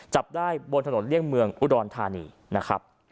จับได้บนถนนเลี่ยงเมืองอุดรธานีนะครับ